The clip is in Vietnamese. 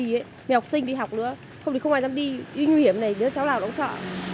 người học sinh đi học nữa không thì không ai dám đi nguy hiểm này cháu nào cũng sợ